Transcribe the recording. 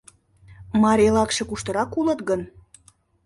— Марийлакше куштырак улыт гын?